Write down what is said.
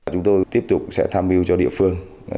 chúng tôi tiếp tục sẽ tham mưu cho địa phương